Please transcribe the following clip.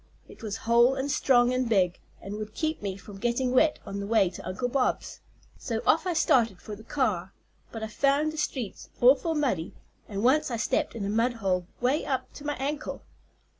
It was whole and strong and big, and would keep me from getting wet on the way to Uncle Bob's. So off I started for the car, but I found the streets awful muddy, and once I stepped in a mud hole way up to my ankle.